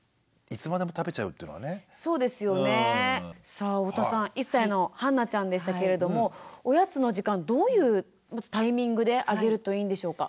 さあ太田さん１歳のはんなちゃんでしたけれどもおやつの時間どういうタイミングであげるといいんでしょうか？